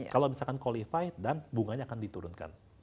kalau misalkan qualified dan bunganya akan diturunkan